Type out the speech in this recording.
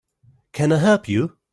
Can I help you?